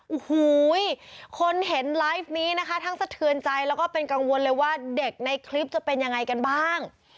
โอ้โหคนเห็นไลฟ์นี้นะคะทั้งสะเทือนใจแล้วก็เป็นกังวลเลยว่าเด็กในคลิปจะเป็นยังไงกันบ้าง